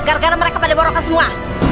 gara gara mereka pada borokan semua